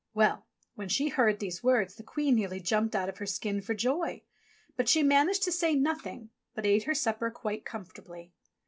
'* Well, when she heard these words the Queen nearly jumped out of her skin for joy ; but she managed to say nothing, but ate her supper quite comfortably.